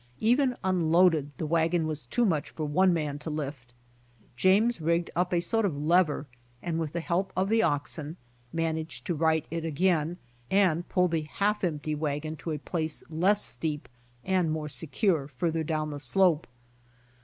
Even unloaded the wagon was too much for one man to lift. James rigged up a sort of lever and with the help of the oxen, managed to right it again and pull the half empty wagon to a place less steep< and more secure farther down the slope.